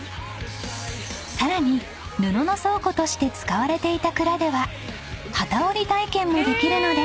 ［さらに布の倉庫として使われていた蔵では機織り体験もできるので］